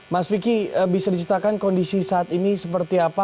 mas vicky bisa diceritakan kondisi saat ini seperti apa